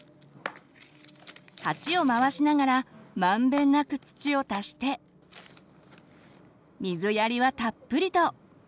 鉢を回しながら満遍なく土を足して水やりはたっぷりと。